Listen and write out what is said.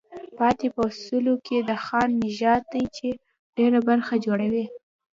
پاتې په سلو کې د خان نژاد دی چې ډېره برخه جوړوي.